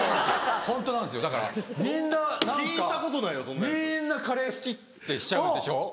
ホントなんですよだからみんな何かみんなカレー好きってしちゃうでしょ？